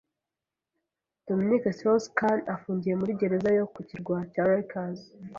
Dominique Strauss-Khan afungiye muri gereza yo ku kirwa cya Rikers.